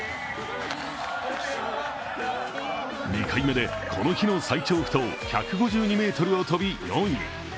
２回目でこの日の最長不倒１５２ｍを飛び４位。